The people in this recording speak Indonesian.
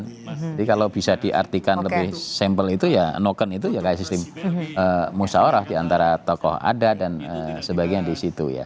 jadi kalau bisa diartikan lebih simple itu ya noken itu ya kayak sistem musawarah di antara tokoh ada dan sebagainya di situ ya